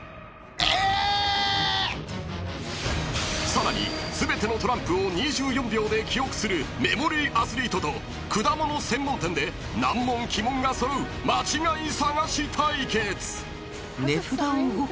［さらに全てのトランプを２４秒で記憶するメモリーアスリートと果物専門店で難問奇問が揃う間違い探し対決！］